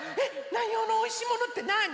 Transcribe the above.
南陽のおいしいものってなに？